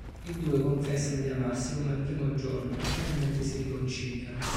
I due confessano di amarsi come al primo giorno e finalmente si riconciliano.